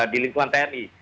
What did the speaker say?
di lingkungan tni